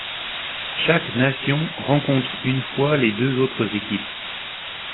Chaque nation rencontre une fois les deux autres équipes.